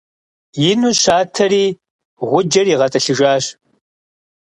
Ину щатэри, гъуджэр игъэтӀылъыжащ.